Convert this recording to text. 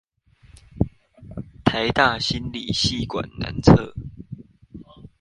臺大心理系館南側